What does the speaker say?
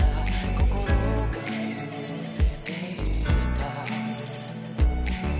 心が揺れていた」